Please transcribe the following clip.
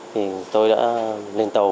thì tôi đã lên tàu